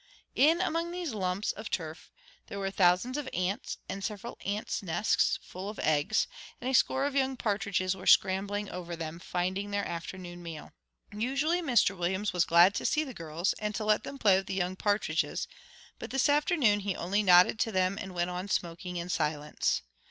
In among these lumps of turf there were thousands of ants and several ants' nests full of eggs; and a score of young partridges were scrambling over them, finding their afternoon meal. Usually Mr Williams was glad to see the girls, and to let them play with the young partridges, but this afternoon he only nodded to them and went on smoking in silence.